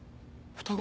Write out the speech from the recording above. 双子？